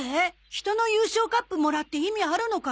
人の優勝カップもらって意味あるのか？